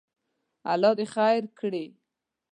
الله دې خیر کړي.